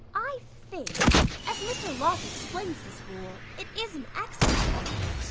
I think, as Mr. Locke explains this rule, it is an excellent one.